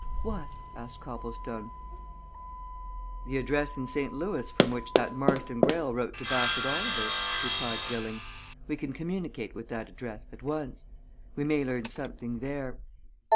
"What?" asked Copplestone. "The address in St. Louis from which that Marston Greyle wrote to Bassett Oliver." replied Gilling. "We can communicate with that address at once. We may learn something there.